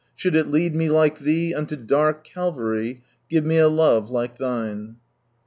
Sheiild it lead me like T/ui, unle dark Cah'aiy, Give me a love like Thine !